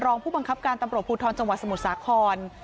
รองผู้บังคับการตำรวจภูทรจังหวัดสมุทรสาคร